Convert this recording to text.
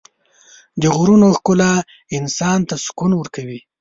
د غرونو ښکلا انسان ته سکون ورکوي.